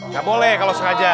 gak boleh kalau sengaja